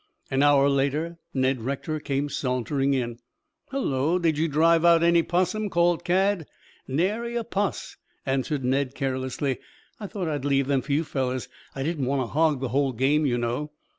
An hour later Ned Rector came sauntering in. "Hullo, did you drive out any 'possum?" called Cad. "Narry a 'poss," answered Ned carelessly. "I thought I'd leave them for you fellows. I didn't want to hog the whole game, you know."